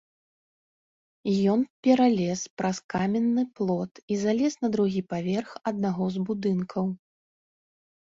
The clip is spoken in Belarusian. Ён пералез праз каменны плот і залез на другі паверх аднаго з будынкаў.